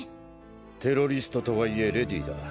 テロリストとはいえレディーだ。